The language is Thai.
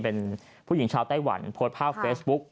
เป็นผู้หญิงชาวไต้หวันโพสต์ภาพเฟซบุ๊ก